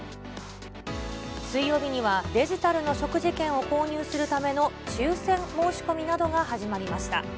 水曜日にはデジタルの食事券を購入するための抽せん申し込みなどが始まりました。